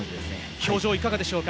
表情いかがでしょうか？